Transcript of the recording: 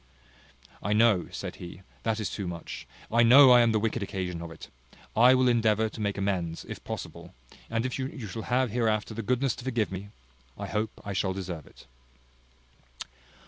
"I know," said he, "that is too much. I know I am the wicked occasion of it. I will endeavour to make amends, if possible; and if you shall have hereafter the goodness to forgive me, I hope I shall deserve it."